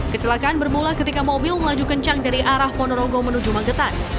kecelakaan bermula ketika mobil melaju kencang dari arah ponorogo menuju magetan